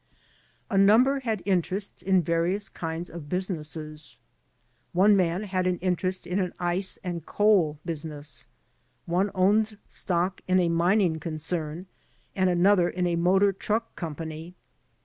A number had interests in various kinds of business. 22 THE DEPORTATION CASES One man had an interest in an ice and coal business ; one owned stock in a mining concern and another in a motor truck company.